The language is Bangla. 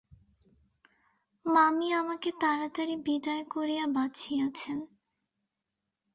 মামী আমাকে তাড়াতাড়ি বিদায় করিয়া বাঁচিয়াছেন।